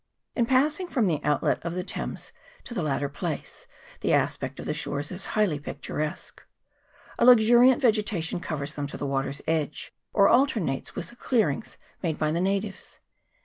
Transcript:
In passing from the out let of the Thames to the latter place the aspect of the shores is highly picturesque. A luxuriant vege tation covers them to the water's edge, or alternates with the clearings made by the natives.